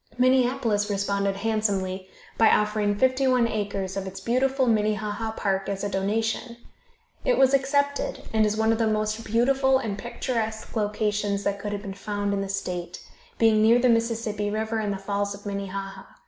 Minneapolis responded handsomely, by offering fifty one acres of its beautiful Minnehaha park as a donation. It was accepted, and is one of the most beautiful and picturesque locations that could have been found in the state, being near the Mississippi river and the Falls of Minnehaha.